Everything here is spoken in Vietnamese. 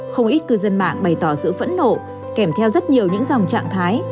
không ít cư dân mạng bày tỏ sự phẫn nộ kèm theo rất nhiều những dòng trạng thái